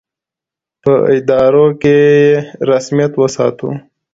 په ادارو کې یې رسمیت وساتو.